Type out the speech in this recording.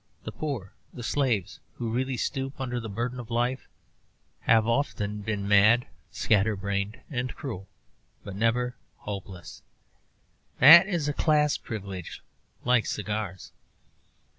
The poor the slaves who really stoop under the burden of life have often been mad, scatter brained and cruel, but never hopeless. That is a class privilege, like cigars.